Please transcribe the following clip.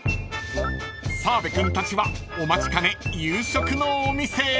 ［澤部君たちはお待ちかね夕食のお店へ］